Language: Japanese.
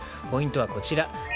ポイントはこちら。